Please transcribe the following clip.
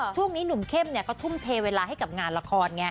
ช่วงนี้หนุ่มเข้มเขาทุ่มเทเวลาให้กับงานละครไง